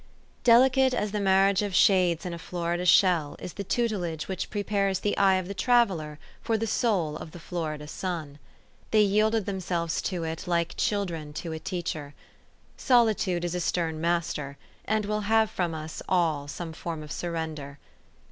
DELICATE as the marriage of shades in a Florida shell, is the tutelage which prepares the eye of the traveller for the soul of the Florida sun. They yielded themselves to it, like children to a teacher. Solitude is a stern master, and will have from us all some form of surrender.